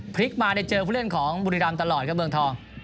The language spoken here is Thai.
พลิกมาได้เจอผู้เล่นของบุรีรำตลอดครับเมืองทอง